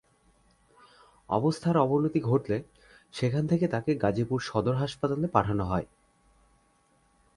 অবস্থার অবনতি ঘটলে সেখান থেকে তাঁকে গাজীপুর সদর হাসপাতালে পাঠানো হয়।